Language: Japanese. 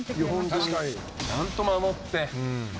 確かにちゃんと守って。